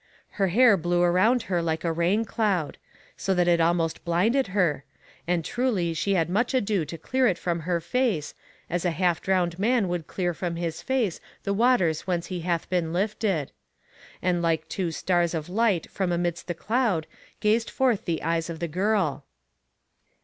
Her hair blew around her like a rain cloud, so that it almost blinded her, and truly she had much ado to clear it from her face, as a half drowned man would clear from his face the waters whence he hath been lifted; and like two stars of light from amidst the cloud gazed forth the eyes of the girl.